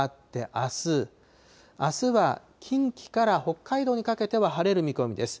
あすは近畿から北海道にかけては晴れる見込みです。